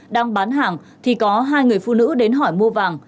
đang bán hàng thì có hai người phụ nữ đến hỏi mua vàng